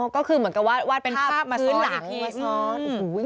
ก็คือเหมือนกับวาดภาพมาซ้อนอีกที